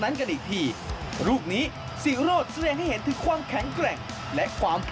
นึงนาทีมีเฮวันนี้นะครับไปร่วมแสดงความยินดีกับประตูแรกในนามทีมชาติไทยของเจ้าปิโป้